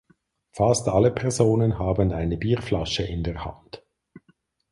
Fast alle Personen haben eine Bierflasche in der Hand.